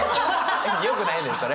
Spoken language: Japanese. よくないねんそれ。